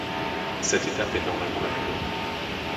Cette étape est normalement la plus longue.